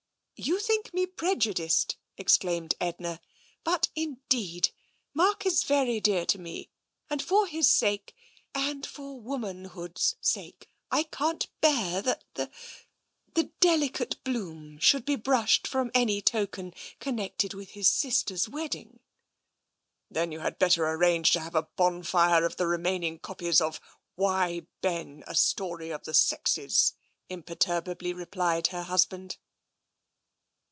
" You think me prejudiced !" exclaimed Edna. " But indeed, Mark is very dear to me, and for his sake — and for womanhood's sake — I can't bear that the — the delicate bloom should be brushed from any token connected with his sister's wedding." " Then you had better arrange to have a bonfire of the remaining copies of ' Why, Ben! A Story of the Sexes,' " imperturbably replied her husband.